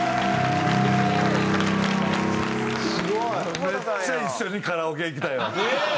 すごい！めっちゃ一緒にカラオケ行きたいわ！